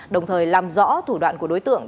đồng thời làm rõ thủ đoạn của đối tượng